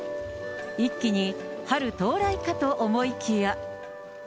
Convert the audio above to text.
一気に春到来かと思いきや。